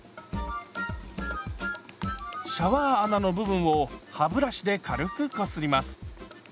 シャワー穴の部分を歯ブラシで軽くこすります。